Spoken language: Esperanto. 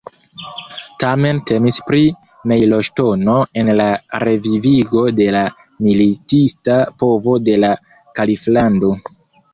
Tamen temis pri mejloŝtono en la revivigo de la militista povo de la kaliflando.